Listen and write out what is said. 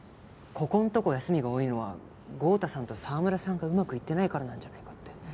ここんとこ休みが多いのは豪太さんと澤村さんがうまくいってないからなんじゃないかって。